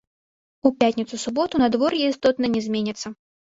У пятніцу-суботу надвор'е істотна не зменіцца.